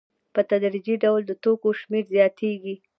په تدریجي ډول د توکو شمېر زیاتېږي